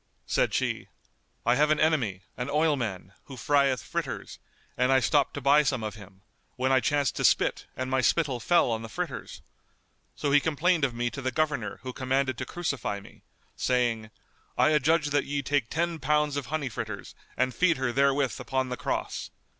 Said she, "I have an enemy, an oilman, who frieth fritters, and I stopped to buy some of him, when I chanced to spit and my spittle fell on the fritters. So he complained of me to the Governor who commanded to crucify me, saying, 'I adjudge that ye take ten pounds of honey fritters and feed her therewith upon the cross.